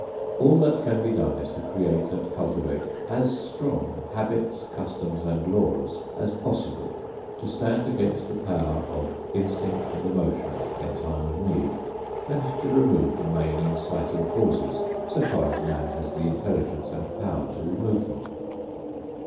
All that can be done is to create and cultivate as strong habits, customs and laws as possible to stand against the power of instinct and emotion in time of need, and to remove the main inciting causes so far as man has the intelligence and power to remove them.